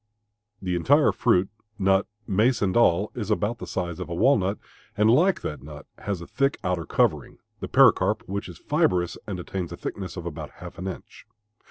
The entire fruit, nut, mace, and all, is about the size of a walnut and like that nut has a thick outer covering, the pericarp, which is fibrous and attains a thickness of about half an inch.